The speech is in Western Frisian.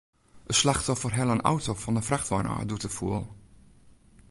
It slachtoffer helle in auto fan in frachtwein ôf, doe't er foel.